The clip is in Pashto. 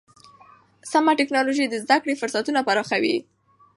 سمه ټکنالوژي د زده کړې فرصتونه پراخوي.